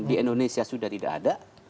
di indonesia sudah tidak ada